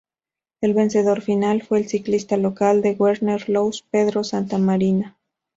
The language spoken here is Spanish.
El vencedor final fue el ciclista local del Werner Luis Pedro Santamarina.